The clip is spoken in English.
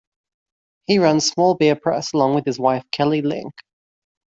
He runs Small Beer Press along with his wife Kelly Link.